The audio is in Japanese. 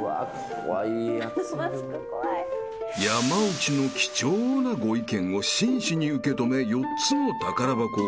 ［山内の貴重なご意見を真摯に受け止め４つの宝箱を用意